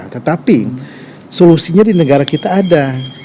tetapi solusinya di negara kita ada